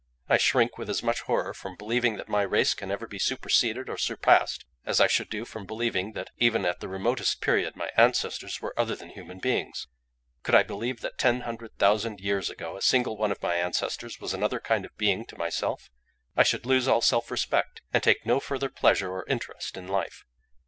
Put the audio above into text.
I shrink with as much horror from believing that my race can ever be superseded or surpassed, as I should do from believing that even at the remotest period my ancestors were other than human beings. Could I believe that ten hundred thousand years ago a single one of my ancestors was another kind of being to myself, I should lose all self respect, and take no further pleasure or interest in life.